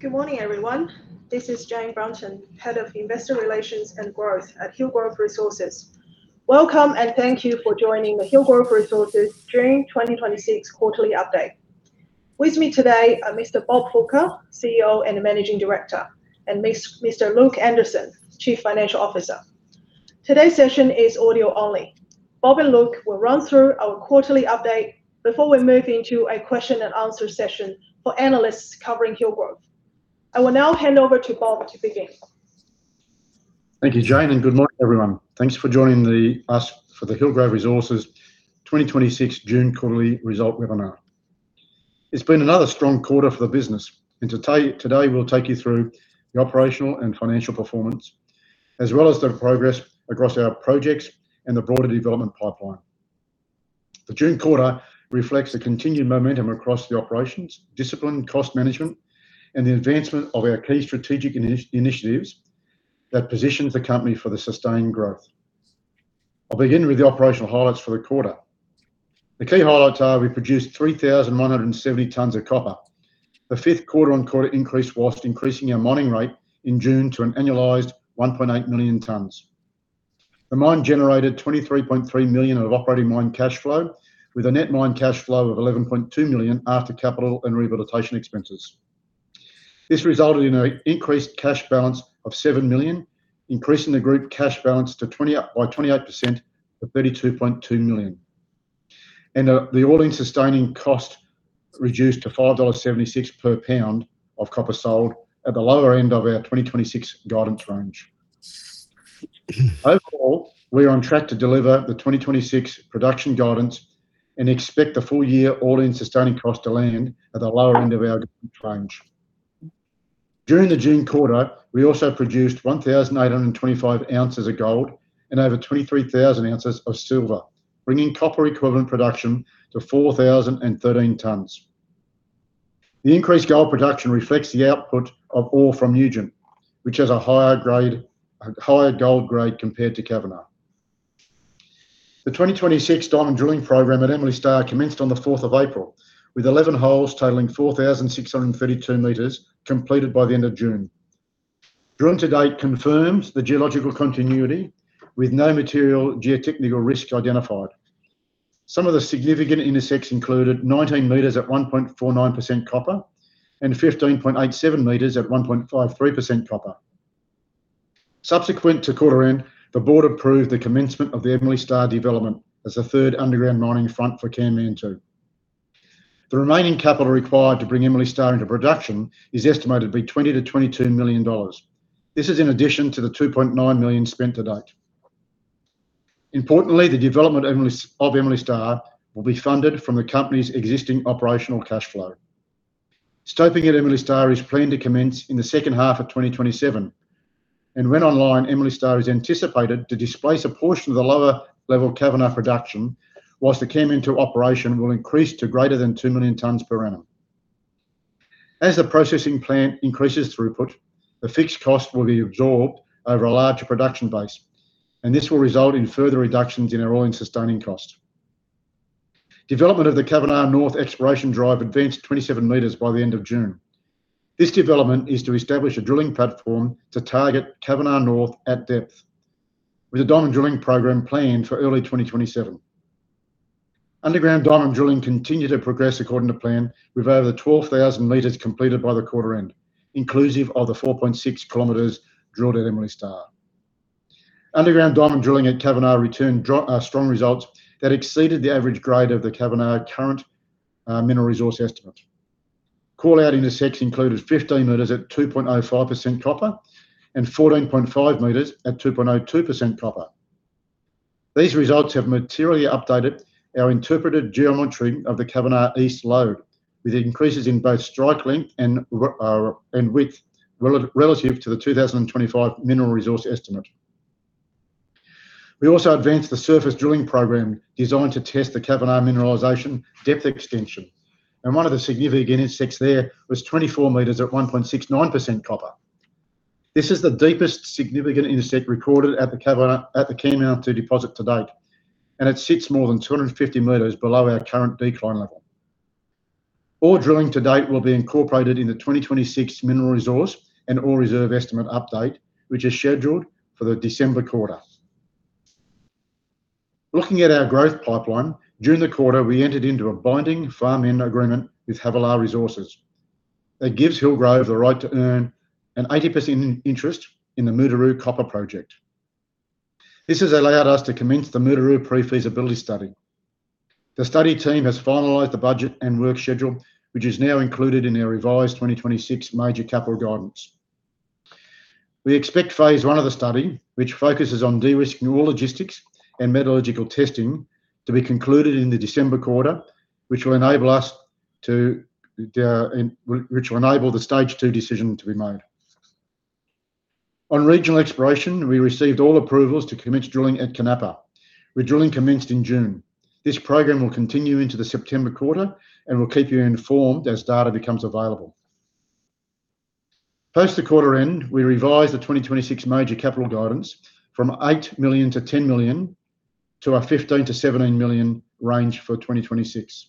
Good morning, everyone. This is Jane Brunton, Head of Investor Relations and Growth at Hillgrove Resources. Welcome, and thank you for joining the Hillgrove Resources June 2026 quarterly update. With me today are Mr. Bob Fulker, CEO and Managing Director, and Mr. Luke Anderson, Chief Financial Officer. Today's session is audio only. Bob and Luke will run through our quarterly update before we move into a question and answer session for analysts covering Hillgrove. I will now hand over to Bob to begin. Thank you, Jane. Good morning, everyone. Thanks for joining us for the Hillgrove Resources 2026 June quarterly result webinar. It's been another strong quarter for the business. Today we'll take you through the operational and financial performance, as well as the progress across our projects and the broader development pipeline. The June quarter reflects the continued momentum across the operations, discipline, cost management, and the advancement of our key strategic initiatives that positions the company for the sustained growth. I'll begin with the operational highlights for the quarter. The key highlights are we produced 3,170 tons of copper, the fifth quarter-on-quarter increase whilst increasing our mining rate in June to an annualized 1.8 million tons. The mine generated 23.3 million of operating mine cash flow with a net mine cash flow of 11.2 million after capital and rehabilitation expenses. This resulted in an increased cash balance of 7 million, increasing the group cash balance by 28% to 32.2 million. The all-in sustaining cost reduced to 5.76 dollars per pound of copper sold at the lower end of our 2026 guidance range. Overall, we are on track to deliver the 2026 production guidance and expect the full year all-in sustaining cost to land at the lower end of our range. During the June quarter, we also produced 1,825 oz of gold and over 23,000 oz of silver, bringing copper equivalent production to 4,013 tons. The increased gold production reflects the output of ore from Nugent, which has a higher gold grade compared to Kavanagh. The 2026 diamond drilling program at Emily Star commenced on the 4th of April, with 11 holes totaling 4,632 m completed by the end of June. Drilling to date confirms the geological continuity, with no material geotechnical risk identified. Some of the significant intersects included 19 m at 1.49% copper and 15.87 m at 1.53% copper. Subsequent to quarter end, the Board approved the commencement of the Emily Star development as a third underground mining front for Kanmantoo. The remaining capital required to bring Emily Star into production is estimated to be 20 million-22 million dollars. This is in addition to the 2.9 million spent to date. Importantly, the development of Emily Star will be funded from the company's existing operational cash flow. Stoping at Emily Star is planned to commence in the second half of 2027. When online, Emily Star is anticipated to displace a portion of the lower level Kavanagh production, whilst the Kanmantoo operation will increase to greater than 2 million tons per annum. As the processing plant increases throughput, the fixed cost will be absorbed over a larger production base, and this will result in further reductions in our all-in sustaining cost. Development of the Kavanagh North exploration drive advanced 27 m by the end of June. This development is to establish a drilling platform to target Kavanagh North at depth, with a diamond drilling program planned for early 2027. Underground diamond drilling continued to progress according to plan, with over 12,000 m completed by the quarter end, inclusive of the 4.6 km drilled at Emily Star. Underground diamond drilling at Kavanagh returned strong results that exceeded the average grade of the Kavanagh current mineral resource estimate. Call out intersects included 15 m at 2.05% copper and 14.5 m at 2.02% copper. These results have materially updated our interpreted geometry of the Kavanagh East lode, with increases in both strike length and width relative to the 2025 mineral resource estimate. We also advanced the surface drilling program designed to test the Kavanagh mineralization depth extension. One of the significant intersects there was 24 m at 1.69% copper. This is the deepest significant intercept recorded at the Kanmantoo deposit to date, and it sits more than 250 m below our current decline level. All drilling to date will be incorporated in the 2026 Mineral Resource and Ore reserve estimate update, which is scheduled for the December quarter. Looking at our growth pipeline, during the quarter, we entered into a binding farm-in agreement with Havilah Resources. It gives Hillgrove the right to earn an 80% interest in the Mutooroo Copper Project. This has allowed us to commence the Mutooroo pre-feasibility study. The study team has finalized the budget and work schedule, which is now included in our revised 2026 major capital guidance. We expect Phase 1 of the study, which focuses on de-risking ore logistics and metallurgical testing, to be concluded in the December quarter, which will enable the Stage 2 decision to be made. On regional exploration, we received all approvals to commence drilling at Kanmantoo, with drilling commenced in June. This program will continue into the September quarter, we'll keep you informed as data becomes available. Post the quarter end, we revised the 2026 major capital guidance from 8 million-10 million. To our 15 million-17 million range for 2026.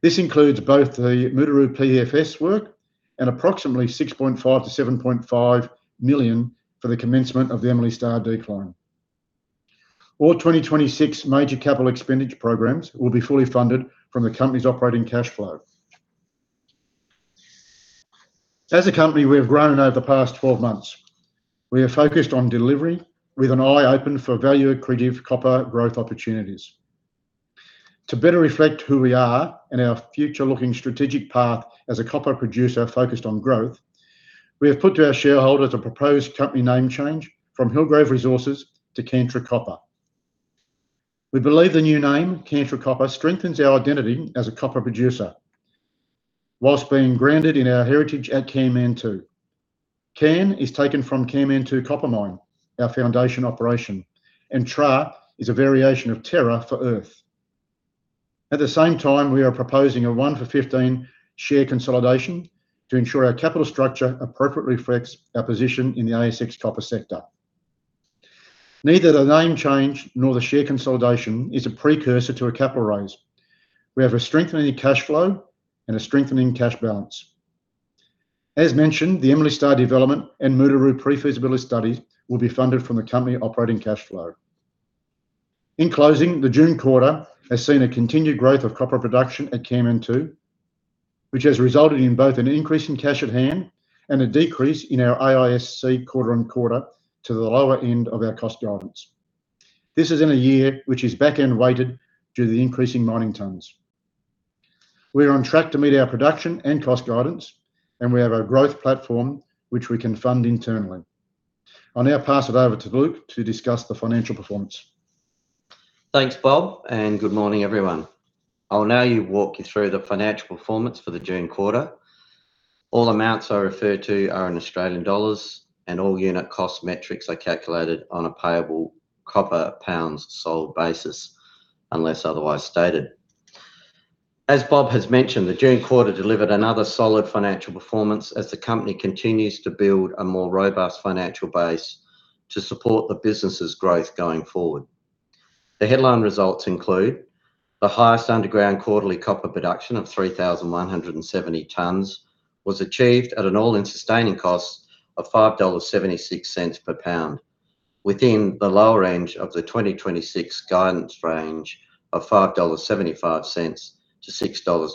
This includes both the Mutooroo PFS work and approximately 6.5 million-7.5 million for the commencement of the Emily Star decline. All 2026 major capital expenditure programs will be fully funded from the company's operating cash flow. As a company, we have grown over the past 12 months. We are focused on delivery with an eye open for value-accretive copper growth opportunities. To better reflect who we are and our future-looking strategic path as a copper producer focused on growth. We have put to our shareholders a proposed company name change from Hillgrove Resources to Kantra Copper. We believe the new name, Kantra Copper, strengthens our identity as a copper producer whilst being grounded in our heritage at Kanmantoo. Kan is taken from Kanmantoo Copper Mine, our foundation operation, and tra is a variation of terra for earth. At the same time, we are proposing a one for 15 share consolidation to ensure our capital structure appropriately reflects our position in the ASX copper sector. Neither the name change nor the share consolidation is a precursor to a capital raise. We have a strengthening cash flow and a strengthening cash balance. As mentioned, the Emily Star development and Mutooroo pre-feasibility study will be funded from the company operating cash flow. In closing, the June quarter has seen a continued growth of copper production at Kanmantoo, which has resulted in both an increase in cash at hand and a decrease in our AISC quarter-on-quarter to the lower end of our cost guidance. This is in a year which is back-end weighted due to the increase in mining tons. We are on track to meet our production and cost guidance, and we have a growth platform which we can fund internally. I'll now pass it over to Luke to discuss the financial performance. Thanks, Bob, and good morning, everyone. I'll now walk you through the financial performance for the June quarter. All amounts I refer to are in Australian dollars, and all unit cost metrics are calculated on a payable copper pounds sold basis unless otherwise stated. As Bob has mentioned, the June quarter delivered another solid financial performance as the company continues to build a more robust financial base to support the business's growth going forward. The headline results include the highest underground quarterly copper production of 3,170 tons was achieved at an all-in sustaining cost of 5.76 dollars per pound within the lower range of the 2026 guidance range of 5.75-6.25 dollars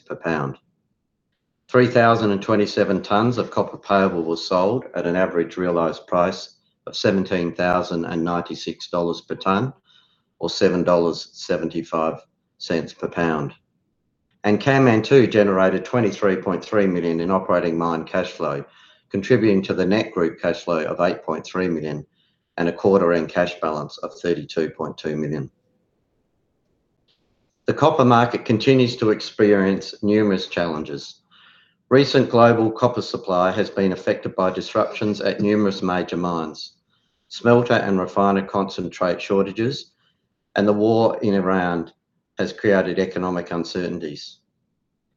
per pound. 3,027 tons of copper payable was sold at an average realized price of AUD 17,096 per ton or AUD 7.75 per pound. Kanmantoo generated AUD 23.3 million in operating mine cash flow, contributing to the net group cash flow of AUD 8.3 million and a quarter end cash balance of AUD 32.2 million. The copper market continues to experience numerous challenges. Recent global copper supply has been affected by disruptions at numerous major mines. Smelter and refiner concentrate shortages and the war in Iran has created economic uncertainties.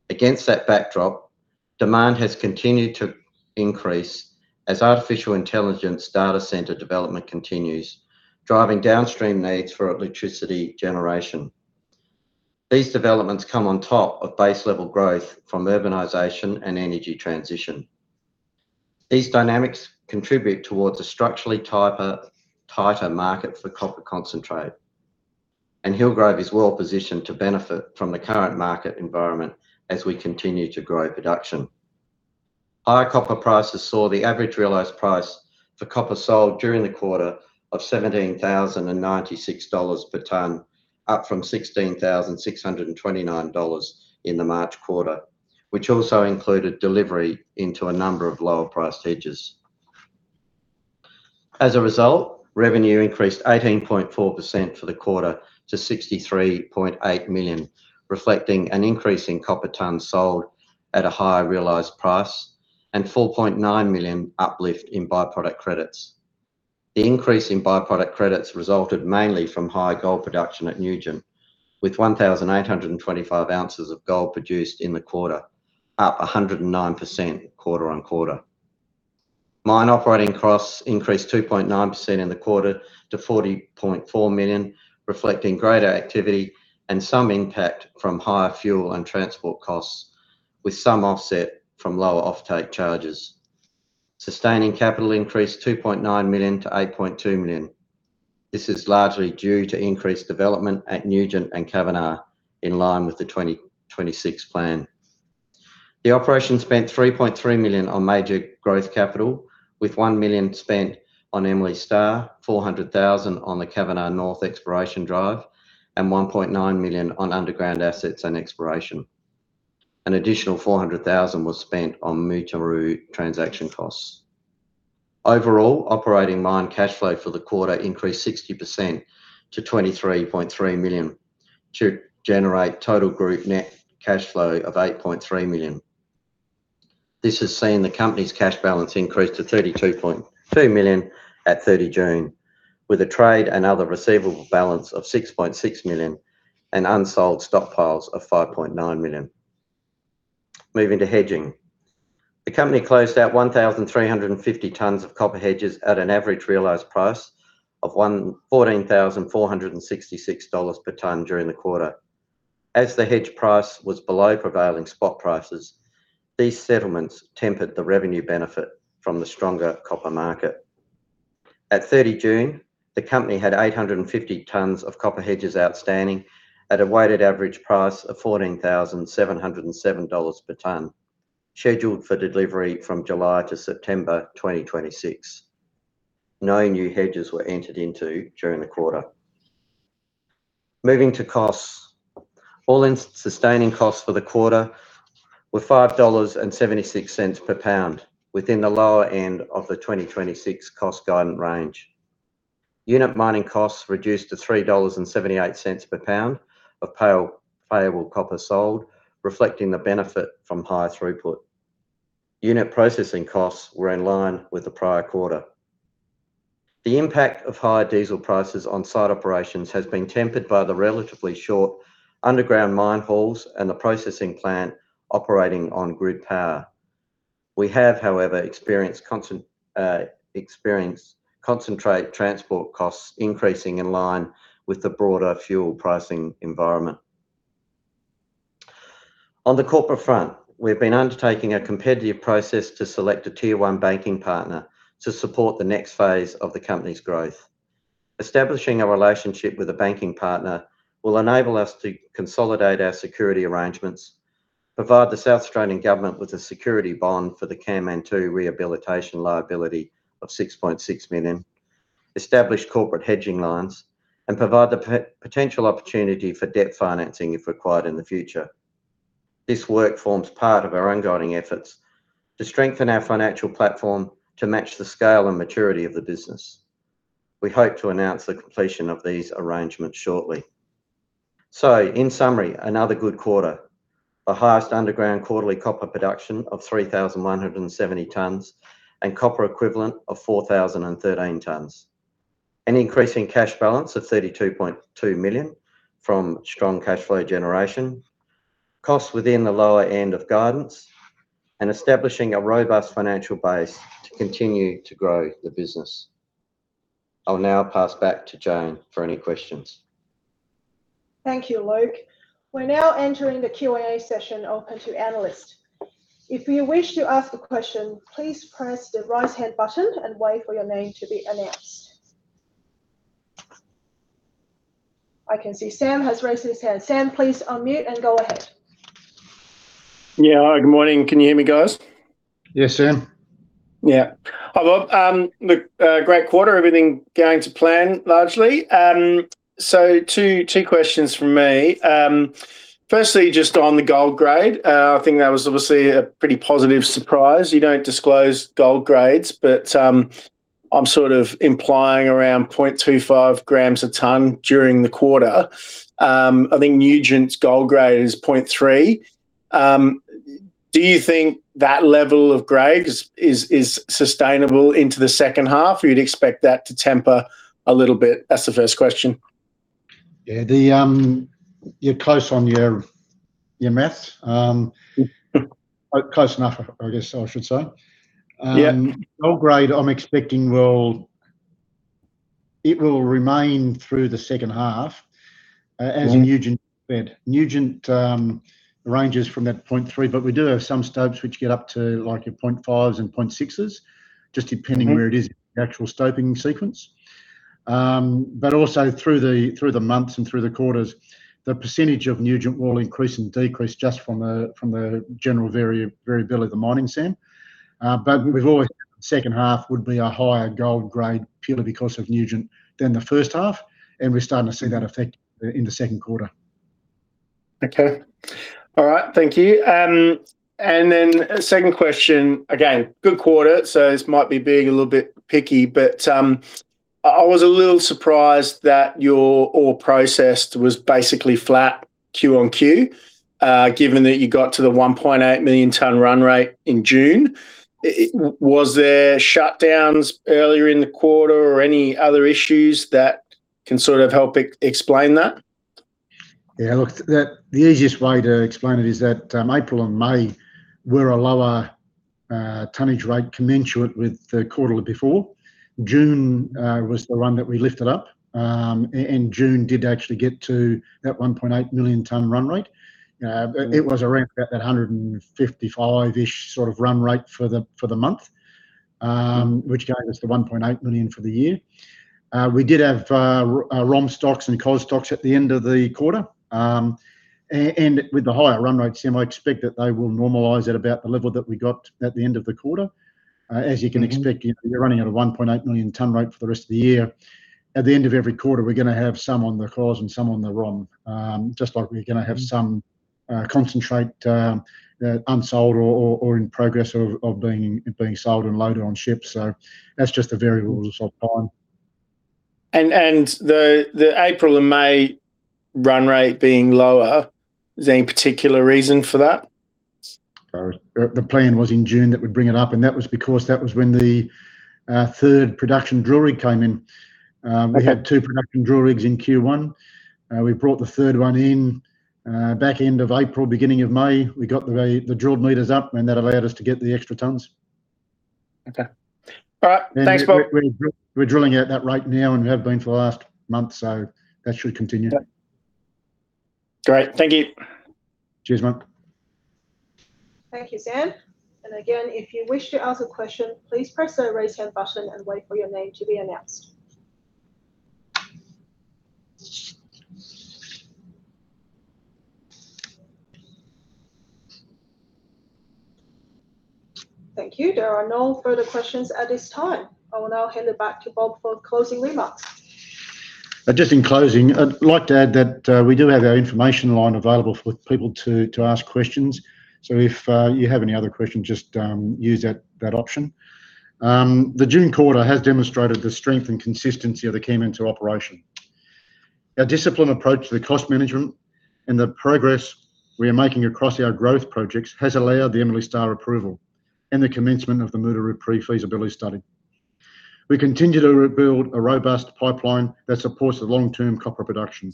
Against that backdrop, demand has continued to increase as artificial intelligence data center development continues, driving downstream needs for electricity generation. These developments come on top of base level growth from urbanization and energy transition. These dynamics contribute towards a structurally tighter market for copper concentrate, and Hillgrove is well-positioned to benefit from the current market environment as we continue to grow production. Higher copper prices saw the average realized price for copper sold during the quarter of 17,096 dollars per ton, up from 16,629 dollars in the March quarter, which also included delivery into a number of lower priced hedges. As a result, revenue increased 18.4% for the quarter to 63.8 million, reflecting an increase in copper tons sold at a higher realized price and 4.9 million uplift in by-product credits. The increase in by-product credits resulted mainly from higher gold production at Nugent, with 1,825 oz of gold produced in the quarter, up 109% quarter-on-quarter. Mine operating costs increased 2.9% in the quarter to 40.4 million, reflecting greater activity and some impact from higher fuel and transport costs with some offset from lower offtake charges. Sustaining capital increased 2.9 million-8.2 million. This is largely due to increased development at Nugent and Kavanagh, in line with the 2026 plan. The operation spent 3.3 million on major growth capital with 1 million spent on Emily Star, 400,000 on the Kavanagh North exploration drive, and 1.9 million on underground assets and exploration. An additional 400,000 was spent on Mutooroo transaction costs. Overall, operating mine cash flow for the quarter increased 60% to 23.3 million to generate total group net cash flow of 8.3 million. This has seen the company's cash balance increase to 32.2 million at 30 June, with a trade and other receivable balance of 6.6 million and unsold stockpiles of 5.9 million. Moving to hedging. The company closed out 1,350 tons of copper hedges at an average realized price of 14,466 dollars per ton during the quarter. As the hedge price was below prevailing spot prices, these settlements tempered the revenue benefit from the stronger copper market. At 30 June, the company had 850 tons of copper hedges outstanding at a weighted average price of 14,707 dollars per ton, scheduled for delivery from July to September 2026. No new hedges were entered into during the quarter. Moving to costs. All-in sustaining costs for the quarter were 5.76 dollars per pound, within the lower end of the 2026 cost guidance range. Unit mining costs reduced to 3.78 dollars per pound of payable copper sold, reflecting the benefit from higher throughput. Unit processing costs were in line with the prior quarter. The impact of higher diesel prices on site operations has been tempered by the relatively short underground mine hauls and the processing plant operating on grid power. We have, however, experienced concentrate transport costs increasing in line with the broader fuel pricing environment. On the corporate front, we've been undertaking a competitive process to select a Tier 1 banking partner to support the next phase of the company's growth. Establishing a relationship with a banking partner will enable us to consolidate our security arrangements, provide the South Australian Government with a security bond for the Kanmantoo rehabilitation liability of 6.6 million. Establish corporate hedging lines, and provide the potential opportunity for debt financing if required in the future. This work forms part of our ongoing efforts to strengthen our financial platform to match the scale and maturity of the business. We hope to announce the completion of these arrangements shortly. In summary, another good quarter. The highest underground quarterly copper production of 3,170 tons and copper equivalent of 4,013 tons. An increasing cash balance of 32.2 million from strong cash flow generation, costs within the lower end of guidance, and establishing a robust financial base to continue to grow the business. I'll now pass back to Jane for any questions. Thank you, Luke. We're now entering the Q&A session open to analysts. If you wish to ask a question, please press the raise hand button and wait for your name to be announced. I can see Sam has raised his hand. Sam, please unmute and go ahead. Yeah. Hi, good morning. Can you hear me, guys? Yes, Sam. Yeah. Hi, Bob. Luke, great quarter. Everything going to plan, largely. Two questions from me. Firstly, just on the gold grade. I think that was obviously a pretty positive surprise. You don't disclose gold grades, but I'm sort of implying around 0.25 g a ton during the quarter. I think Nugent's gold grade is 0.3 g. Do you think that level of grade is sustainable into the second half? You'd expect that to temper a little bit? That's the first question. Yeah. You're close on your math. Close enough, I guess I should say. Yeah. Gold grade, I'm expecting it will remain through the second half. As in Nugent bed. Nugent ranges from that 0.3 g, but we do have some stopes which get up to like your 0.5s and 0.6s, just depending. Where it is in the actual stoping sequence. Also through the months and through the quarters, the percentage of Nugent will increase and decrease just from the general variability of the mining scene. We've always said second half would be a higher gold grade purely because of Nugent than the first half, and we're starting to see that effect in the second quarter. Okay. All right. Thank you. Second question, again, good quarter, so this might be being a little bit picky, but I was a little surprised that your ore processed was basically flat QoQ, given that you got to the 1.8 million ton run rate in June. Was there shutdowns earlier in the quarter or any other issues that can sort of help explain that? Yeah, look, the easiest way to explain it is that April and May were a lower tonnage rate commensurate with the quarter before. June was the one that we lifted up. June did actually get to that 1.8 million ton run rate. It was around about that 155-ish sort of run rate for the month, which gave us the 1.8 million for the year. We did have ROM stocks and COS stocks at the end of the quarter. With the higher run rates, Sam, I expect that they will normalize at about the level that we got at the end of the quarter. As you can expect. You're running at a 1.8 million ton rate for the rest of the year. At the end of every quarter, we're going to have some on the COS and some on the ROM, just like we're going to have some concentrate, unsold or in progress of being sold and loaded on ships. That's just the variables of time. The April and May run rate being lower, is there any particular reason for that? The plan was in June that we'd bring it up, and that was because that was when the third production drill rig came in. We had two production drill rigs in Q1. We brought the third one in back end of April, beginning of May. We got the drilled meters up, and that allowed us to get the extra tons. Okay. All right. Thanks, Bob. We're drilling out that right now, and we have been for the last month, so that should continue. Great. Thank you. Cheers, mate. Thank you, Sam. Again, if you wish to ask a question, please press the raise hand button and wait for your name to be announced. Thank you. There are no further questions at this time. I will now hand it back to Bob for closing remarks. Just in closing, I'd like to add that we do have our information line available for people to ask questions. If you have any other questions, just use that option. The June quarter has demonstrated the strength and consistency of the Kanmantoo operation. Our disciplined approach to the cost management and the progress we are making across our growth projects has allowed the Emily Star approval and the commencement of the Mutooroo pre-feasibility study. We continue to build a robust pipeline that supports the long-term copper production.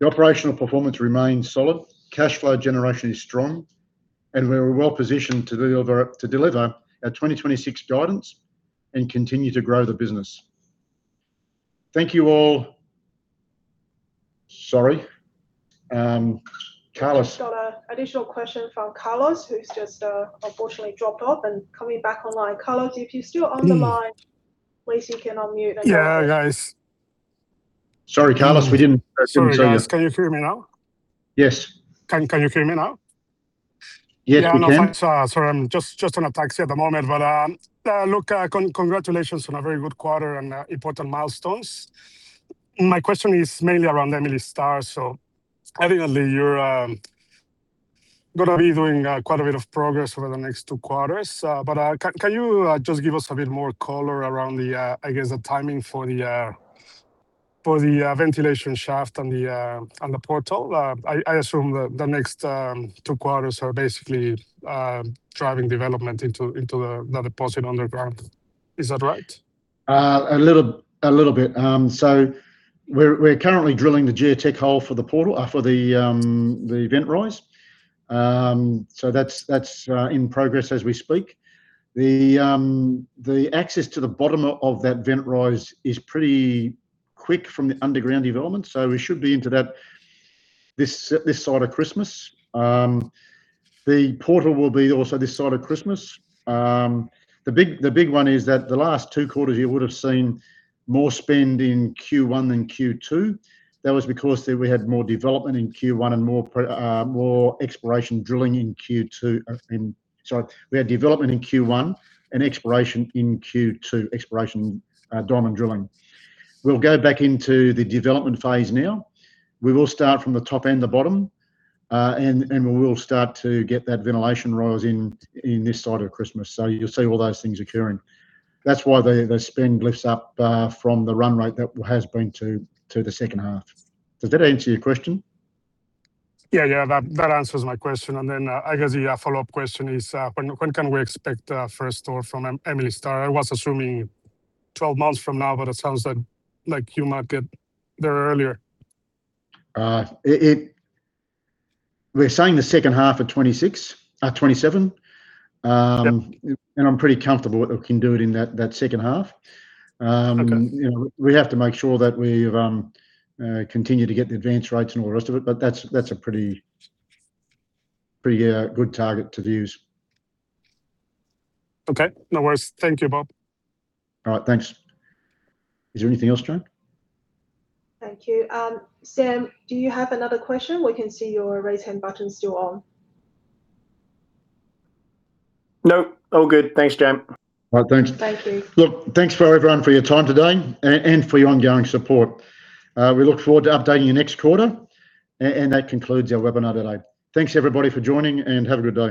The operational performance remains solid, cash flow generation is strong, and we're well positioned to deliver our 2026 guidance and continue to grow the business. Thank you all. Sorry. Carlos- Just got an additional question from Carlos, who's just unfortunately dropped off and coming back online. Carlos, if you're still on the line. Please you can unmute and go ahead. Yeah, guys. Sorry, Carlos, we didn't assume you were. Sorry, guys. Can you hear me now? Yes. Can you hear me now? Yes, we can. No, sorry, I'm just in a taxi at the moment. Look, congratulations on a very good quarter and important milestones. My question is mainly around Emily Star. Evidently you're going to be doing quite a bit of progress over the next two quarters. Can you just give us a bit more color around, I guess, the timing for the ventilation shaft and the portal? I assume that the next two quarters are basically driving development into the deposit underground. Is that right? A little bit. We're currently drilling the geotech hole for the vent rise. That's in progress as we speak. The access to the bottom of that vent rise is pretty quick from the underground development, we should be into that this side of Christmas. The portal will be also this side of Christmas. The big one is that the last two quarters, you would've seen more spend in Q1 than Q2. That was because we had more development in Q1 and more exploration drilling in Q2. Sorry. We had development in Q1 and exploration in Q2, exploration diamond drilling. We'll go back into the development phase now. We will start from the top and the bottom, and we will start to get that ventilation rise in this side of Christmas. You'll see all those things occurring. That's why the spend lifts up from the run rate that has been to the second half. Does that answer your question? Yeah. That answers my question. I guess the follow-up question is, when can we expect first ore from Emily Star? I was assuming 12 months from now, but it sounds like you might get there earlier? We're saying the second half of 2027- Yep. I'm pretty comfortable that we can do it in that second half. We have to make sure that we continue to get the advance rates and all the rest of it, that's a pretty good target to use. Okay. No worries. Thank you, Bob. All right. Thanks. Is there anything else, Jane? Thank you. Sam, do you have another question? We can see your raise hand button's still on. Nope. All good. Thanks, Jane. All right, thanks. Thank you. Look, thanks for everyone for your time today and for your ongoing support. We look forward to updating you next quarter. That concludes our webinar today. Thanks everybody for joining, and have a good day.